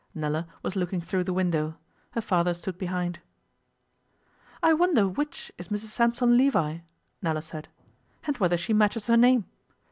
Nella was looking through the window; her father stood behind. 'I wonder which is Mrs Sampson Levi?' Nella said, 'and whether she matches her name.